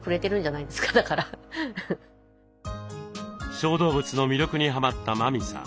小動物の魅力にはまった麻美さん。